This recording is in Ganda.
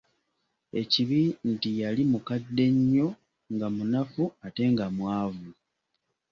Ekibi nti yali mukadde nnyo, nga munafu ate nga mwavu.